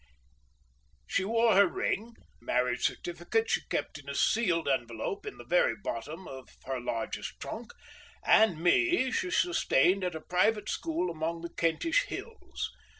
She wore her ring; her marriage certificate she kept in a sealed envelope in the very bottom of her largest trunk, and me she sustained at a private school among the Kentish hills.